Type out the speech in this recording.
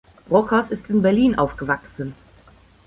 Brockhaus ist in Berlin aufgewachsen.